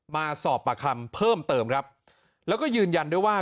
มาสอบปากคำเพิ่มเติมครับแล้วก็ยืนยันด้วยว่า